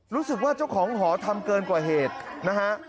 รู้สึกว่าเจ้าของหอทำเกินกว่าเหตุนะฮะ